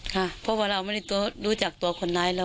เชื่อว่าท่านต้องจับได้นะ